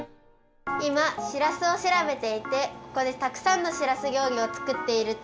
いましらすをしらべていてここでたくさんのしらす料理を作っているってきいたんですけど。